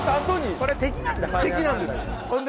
これ敵なんだ。